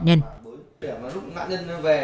lúc nạn nhân về